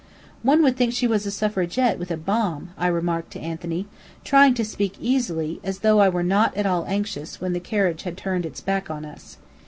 "One would think she was a suffragette with a bomb," I remarked to Anthony, trying to speak easily, as though I were not at all anxious, when the carriage had turned its back on us.